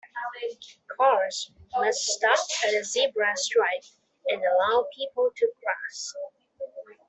Cars must stop at a Zebra stripe and allow people to cross.